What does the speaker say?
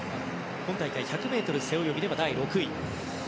今大会１００ｍ背泳ぎでは第６位。